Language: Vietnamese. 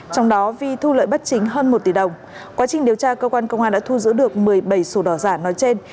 trong đó vi thu lợi bất chính hơn một tỷ đồng quá trình điều tra cơ quan công an đã thu giữ được một mươi bảy sổ đỏ giả nói trên